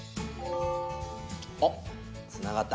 あっつながった。